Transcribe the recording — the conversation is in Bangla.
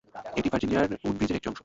এটি ভার্জিনিয়ার উডব্রিজের একটি অংশ।